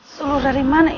seluruh dari mana ini